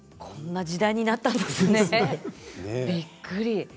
こんな時代になったんですね、びっくり。